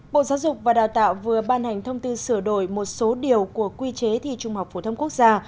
bộ giáo dục và đào tạo vừa ban hành thông tư sửa đổi một số điều của quy chế thi trung học phổ thông quốc gia